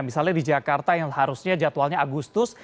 misalnya di jakarta yang harusnya jadwalnya agustus